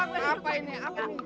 lu ngelepak kepala gua